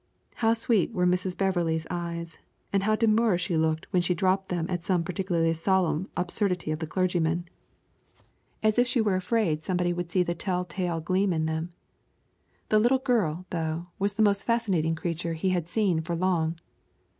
How sweet were Mrs. Beverley's eyes, and how demure she looked when she dropped them at some particularly solemn absurdity of the clergyman, as if she were afraid somebody would see the tell tale gleam in them! The little girl, though, was the most fascinating creature he had seen for long.